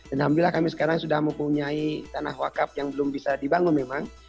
alhamdulillah kami sekarang sudah mempunyai tanah wakaf yang belum bisa dibangun memang